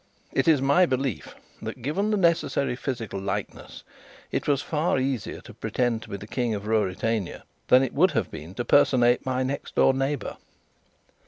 It is my belief that, given the necessary physical likeness, it was far easier to pretend to be King of Ruritania than it would have been to personate my next door neighbour.